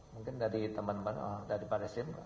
mungkin dari teman teman dari pak resim